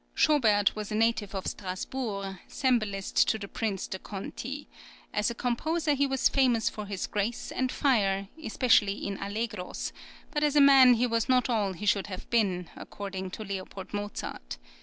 Schobert was a native of Strasburg, cembalist to the Prince de Conti; as a composer he was famous for his grace and fire, especially in allegros,[20023] but as a man he was not all he should have been, according to L. Mozart.